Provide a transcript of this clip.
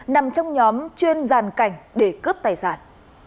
nằm trong nhóm chuyên giàn cảnh để cướp tài sản